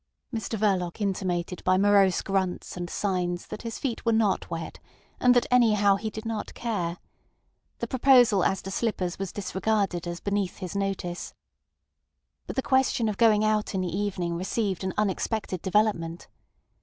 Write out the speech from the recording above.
Mr Verloc intimated by morose grunts and signs that his feet were not wet, and that anyhow he did not care. The proposal as to slippers was disregarded as beneath his notice. But the question of going out in the evening received an unexpected development.